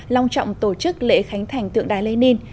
long trọng tổ chức lễ khánh thành tượng đài lenin